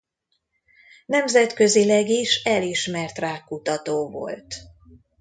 Nemzetközileg is elismert rákkutató volt.